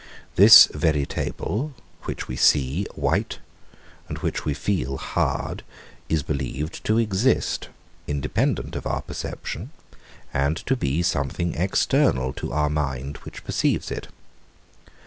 This very table, which we see white, and which we feel hard, is believed to exist, independent of our perception, and to be something external to our mind, which perceives it.